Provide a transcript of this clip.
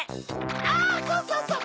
あそうそうそう！